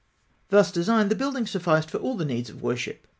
] Thus designed, the building sufficed for all the needs of worship.